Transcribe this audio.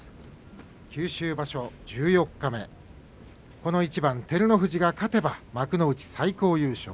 九州場所、十四日目この一番、照ノ富士が勝てば幕内最高優勝。